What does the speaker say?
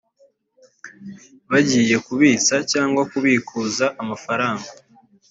bagiye kubitsa cyangwa kubikuza amafaranga